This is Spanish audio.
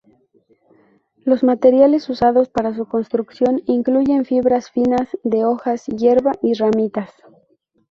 Los materiales usados para su construcción incluyen fibras finas de hojas, hierba y ramitas.